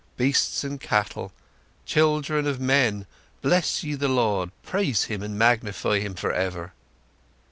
Beasts and Cattle ... Children of Men ... bless ye the Lord, praise Him and magnify Him forever!"